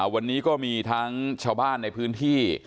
วันนี้ก็มีทั้งชาวบ้านในพื้นที่